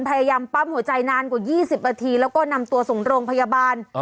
พยายามปั๊มหัวใจนานกว่า๒๐นาทีแล้วก็นำตัวส่งโรงพยาบาล